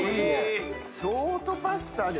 ショートパスタね。